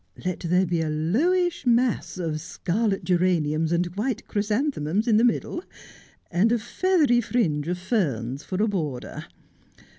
Let there be a lowish mass of scarlet geraniums and white chrysanthemums in the middle, and a feathery fringe of ferns for a border.